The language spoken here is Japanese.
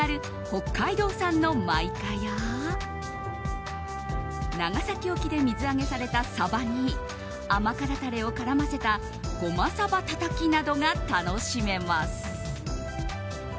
北海道産の真いかや長崎沖で水揚げされたサバに甘辛ダレを絡ませたごまさばたたきなどが楽しめます。